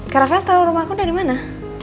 kak rafael tau rumah aku udah dimana